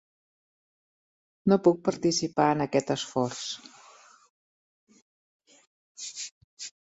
No puc participar en aquest esforç.